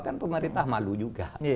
karena pemerintah malu juga